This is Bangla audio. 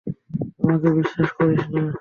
আমাকে বিশ্বাস করিস না?